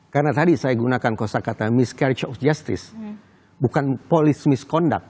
karena tadi saya menggunakan kosa kata miscarriage of justice bukan polis misconduct